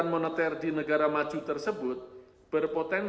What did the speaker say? didorong oleh belum kuatnya pemulihan ekonomi negara berkembang